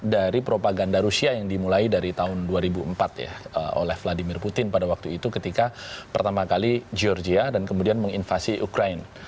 dari propaganda rusia yang dimulai dari tahun dua ribu empat ya oleh vladimir putin pada waktu itu ketika pertama kali georgia dan kemudian menginvasi ukraine